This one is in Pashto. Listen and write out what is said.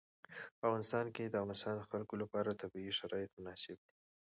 په افغانستان کې د د افغانستان خلکو لپاره طبیعي شرایط مناسب دي.